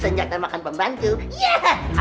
senjata makan pembantu iya